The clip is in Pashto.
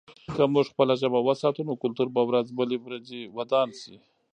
که موږ خپله ژبه وساتو، نو کلتور به ورځ بلې ورځې ودان شي.